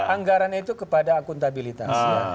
anggaran itu kepada akuntabilitas